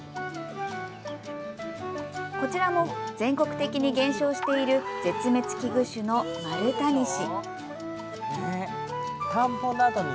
こちらも、全国的に減少している絶滅危惧種のマルタニシ。